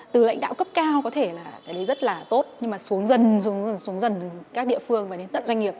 từ lãnh đạo cấp cao có thể là rất là tốt nhưng mà xuống dần từ các địa phương và đến tận doanh nghiệp